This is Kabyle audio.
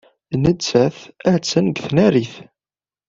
Nettat attan deg tnarit.